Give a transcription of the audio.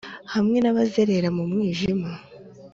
hamwe n'abazerera mu mwijima,